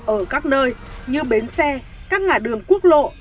ở các nơi như bến xe các ngã đường quốc lộ